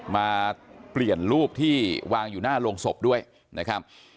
มาเปลี่ยนรูปที่วางอยู่หน้าโรงศพด้วยนะครับ